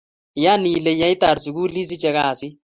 Iyan ile yeitar sukul isiche kasit.